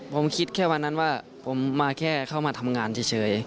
ผมคิดแค่วันนั้นว่าผมมาแค่เข้ามาทำงานเฉย